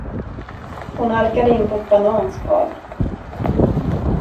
Hon halkade in på ett bananskal.